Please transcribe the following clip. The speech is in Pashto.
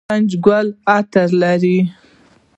د نارنج ګل عطر لري؟